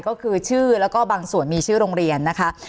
ก็คือชื่อแล้วก็บางส่วนมีชื่อโรงเรียนนะคะ